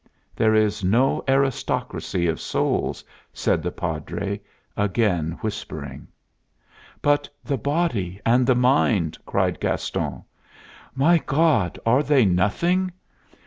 "There is no aristocracy of souls," said the Padre, again whispering. "But the body and the mind!" cried Gaston. "My God, are they nothing?